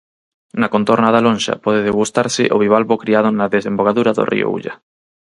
Na contorna da lonxa, pode degustarse o bivalvo criado na desembocadura do río Ulla.